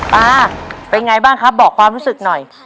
เป็นไงบ้างครับบอกความรู้สึกหน่อย